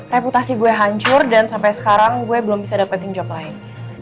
reputasi gue hancur dan sampai sekarang gue belum bisa dapetin job lain